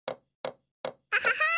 アハハー！